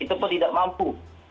itu pun tidak mampu